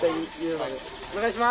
お願いします！